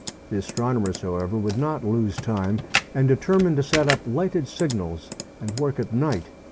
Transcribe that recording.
The astronomers, however, would not lose time, and determined to set up lighted signals and work at night.